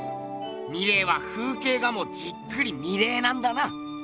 ミレーは風景画もじっくり見れなんだな。